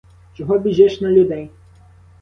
Чого біжиш на людей?